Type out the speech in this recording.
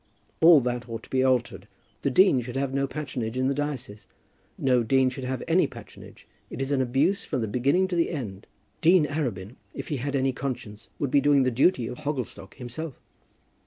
All that ought to be altered. The dean should have no patronage in the diocese. No dean should have any patronage. It is an abuse from the beginning to the end. Dean Arabin, if he had any conscience, would be doing the duty at Hogglestock himself."